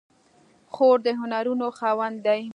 خور د هنرونو خاوندې ده.